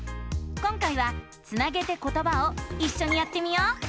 今回は「つなげてことば」をいっしょにやってみよう！